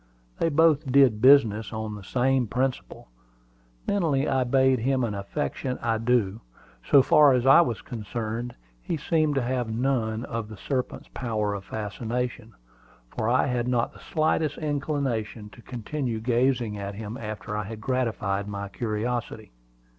They both did business on the same principle. Mentally I bade him an affectionate adieu. So far as I was concerned, he seemed to have none of the serpent's power of fascination, for I had not the slightest inclination to continue gazing at him after I had gratified my curiosity.